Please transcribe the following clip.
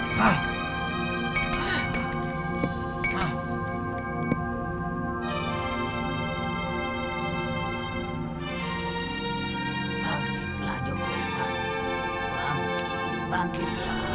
bangkitlah jogopati bangkitlah